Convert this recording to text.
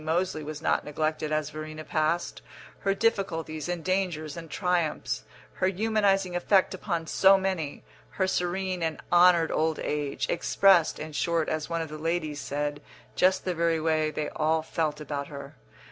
Moseley was not neglected as Verena passed), her difficulties and dangers and triumphs, her humanising effect upon so many, her serene and honoured old age expressed, in short, as one of the ladies said, just the very way they all felt about her.